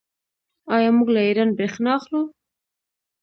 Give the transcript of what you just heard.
آیا موږ له ایران بریښنا اخلو؟